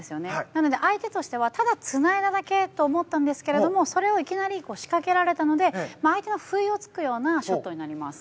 なので相手としてはただつないだだけと思ったんですがそれをいきなり仕掛けられたので相手の不意を突くようなショットになります。